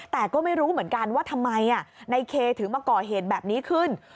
แต่ก็ไม่รู้เหมือนกันว่าทำไมในเคถึงมาก่อเหตุแบบนี้ขึ้น